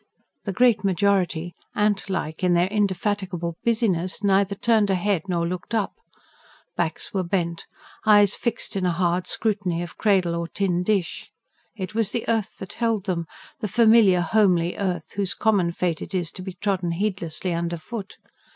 The great majority, ant like in their indefatigable busyness, neither turned a head nor looked up: backs were bent, eyes fixed, in a hard scrutiny of cradle or tin dish: it was the earth that held them, the familiar, homely earth, whose common fate it is to be trodden heedlessly underfoot.